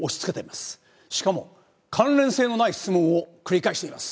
しかも関連性のない質問を繰り返しています。